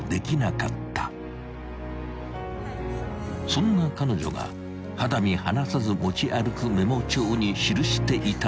［そんな彼女が肌身離さず持ち歩くメモ帳に記していたのが黒田のモットー］